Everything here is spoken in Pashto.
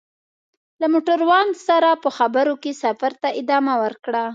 له موټروان سره په خبرو کې سفر ته ادامه ورکړه.